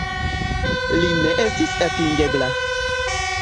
Li ne estis atingebla.